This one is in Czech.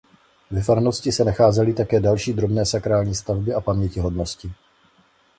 Ve farnosti se nacházely také další drobné sakrální stavby a pamětihodnosti.